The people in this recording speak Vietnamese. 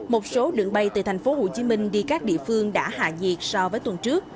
một số đường bay từ thành phố hồ chí minh đi các địa phương đã hạ nhiệt so với tuần trước